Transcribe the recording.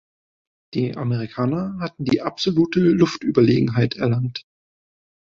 Die Amerikaner hatten die absolute Luftüberlegenheit erlangt.